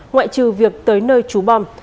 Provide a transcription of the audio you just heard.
ngoại trừ việc tới nơi trú bom